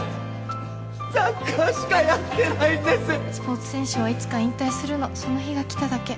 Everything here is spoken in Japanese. スポーツ選手はいつか引退するのその日が来ただけ